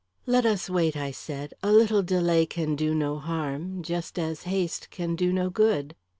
"Let us wait," I said. "A little delay can do no harm; just as haste can do no good."